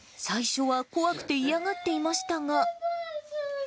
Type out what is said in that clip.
最初は怖くて嫌がっていましたが。